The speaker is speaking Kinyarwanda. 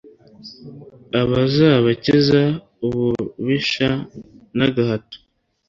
azabakiza ububisha n'agahato